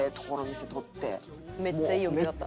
めっちゃいいお店だった。